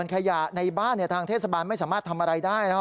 ส่วนขยะในบ้านเนี่ยทางเทศบาลไม่สามารถทำอะไรได้นะฮะ